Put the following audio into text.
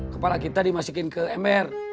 kepala kita dimasukin ke ember